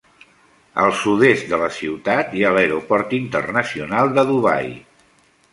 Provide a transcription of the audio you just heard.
Al sud-est de la ciutat hi ha l'Aeroport Internacional de Dubai.